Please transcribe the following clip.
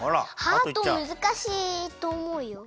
ハートむずかしいとおもうよ。